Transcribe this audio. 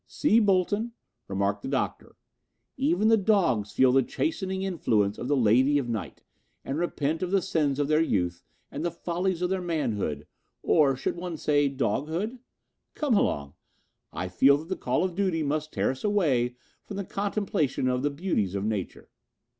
"See, Bolton," remarked the Doctor, "even the dogs feel the chastening influence of the Lady of Night and repent of the sins of their youth and the follies of their manhood, or should one say doghood? Come along. I feel that the call of duty must tear us away from the contemplation of the beauties of nature."